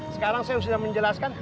sekarang saya sudah menjelaskan